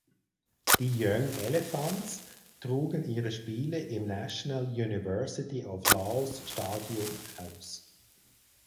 Die Young Elephants trugen ihre Spiele im National University of Laos Stadium aus.